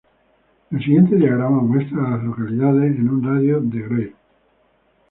El siguiente diagrama muestra a las localidades en un radio de de Greer.